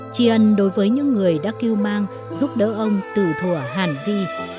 tri ân đối với những người đã kêu mang giúp đỡ ông tử thủa hàn vi